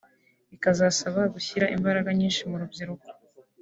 bikazasaba gushyira imbaraga nyinshi mu rubyiruko